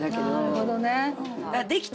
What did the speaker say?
なるほどね。